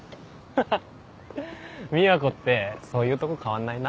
ハハっ美和子ってそういうとこ変わんないな。